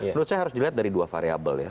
menurut saya harus dilihat dari dua variable ya